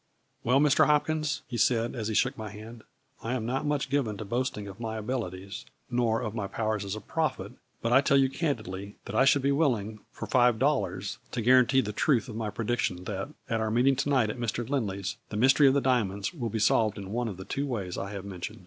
" Well, Mr. Hopkins," he said, as he shook my hand, " I am not much given to boasting of my abilities, nor of my powers as a prophet but I tell you candidly that I should be willing, for five dollars, to guarantee the truth of my prediction that, at our meeting to night at Mr. Lindley's, the mystery of the diamonds, will be solved in one of the two ways I have mem tioned."